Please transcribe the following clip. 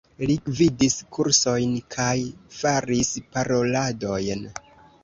Li gvidis kursojn kaj faris paroladojn.